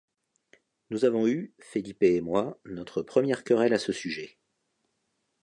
Nous avons eu, Felipe et moi, notre première querelle à ce sujet.